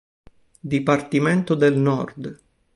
Dipartimento del Nord